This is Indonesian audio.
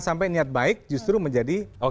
sampai niat baik justru menjadi